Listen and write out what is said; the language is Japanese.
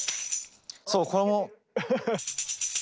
そうこれも。